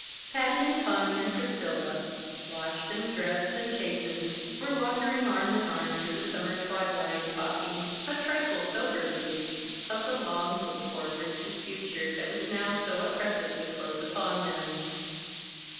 Patty and Conny and Priscilla, washed and dressed and chastened, were wandering arm in arm through the summer twilight, talking a trifle soberly of the long looked forward to future that was now so oppressively close upon them.